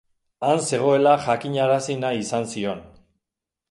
Han zegoela jakinarazi nahi izan zion.